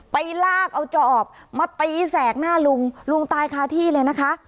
ไปลากเอาจอบมาตีแสกหน้าลุงลุงตายคาที่เลยนะคะ